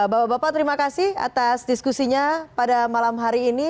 bapak bapak terima kasih atas diskusinya pada malam hari ini